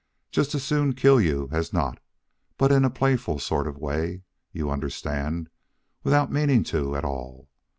Just as soon kill you as not, but in a playful sort of way, you understand, without meaning to at all.